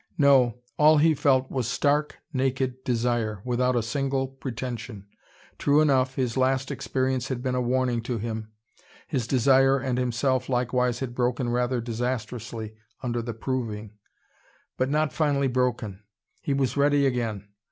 No, all he felt was stark, naked desire, without a single pretension. True enough, his last experience had been a warning to him. His desire and himself likewise had broken rather disastrously under the proving. But not finally broken. He was ready again.